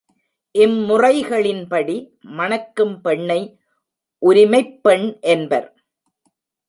இம் முறைகளின்படி மணக்கும் பெண்ணை உரிமைப் பெண் என்பர்.